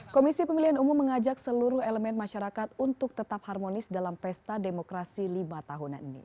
komisi pemilihan umum mengajak seluruh elemen masyarakat untuk tetap harmonis dalam pesta demokrasi lima tahunan ini